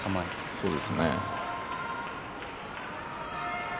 そうです。